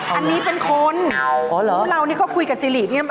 อันนี้เป็นคนครึ่งเรานี่ก็คุยกับซิหรี่เนี่ย